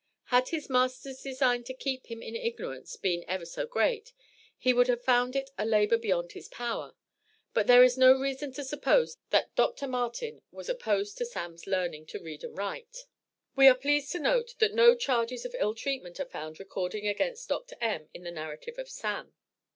Had his master's design to keep him in ignorance been ever so great, he would have found it a labor beyond his power. But there is no reason to suppose that Dr. Martin was opposed to Sam's learning to read and write. We are pleased to note that no charges of ill treatment are found recorded against Dr. M. in the narrative of "Sam."